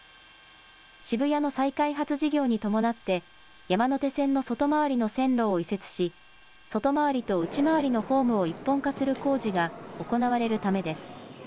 渋谷の再開発事業に伴って山手線の外回りの線路を移設し外回りと内回りのホームを一本化する工事が行われるためです。